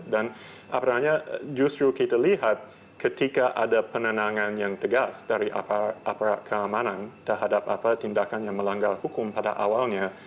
dan apalagi justru kita lihat ketika ada penenangan yang tegas dari aparat keamanan terhadap tindakan yang melanggar hukum pada awalnya